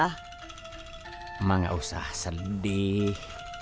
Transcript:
emak gak usah sedih